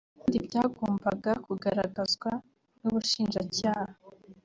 kandi byagombaga kugaragazwa n’Ubushinjacyaha